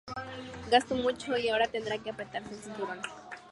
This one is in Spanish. Gastó mucho y ahora tendrá que apretarse el cinturón